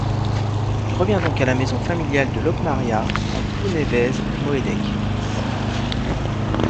Il revient donc à la maison familiale de Locmaria, en Plounévez-Moëdec.